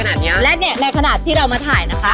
และอย่างเนี่ยในขณะที่เรามาถ่ายนะคะ